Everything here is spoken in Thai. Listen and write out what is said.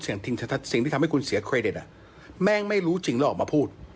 สิ่งที่ทำให้คุณเสียเครดิตแม่งไม่รู้จริงแล้วออกมาพูด